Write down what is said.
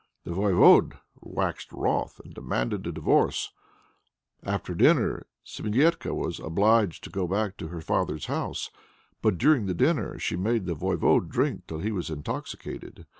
The Voyvode waxed wroth, and demanded a divorce. After dinner Semilétka was obliged to go back to her father's house. But during the dinner she made the Voyvode drink till he was intoxicated.